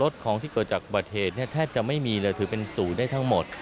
แสดงไม่มีแต่ถึงเป็นศูนย์ได้ทั้งหมด